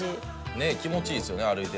「ねえ気持ちいいですよね歩いてて。